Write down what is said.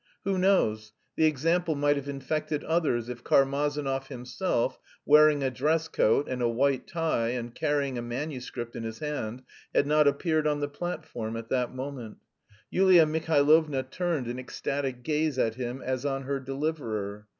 Who knows, the example might have infected others if Karmazinov himself, wearing a dress coat and a white tie and carrying a manuscript, in his hand, had not appeared on the platform at that moment. Yulia Mihailovna turned an ecstatic gaze at him as on her deliverer....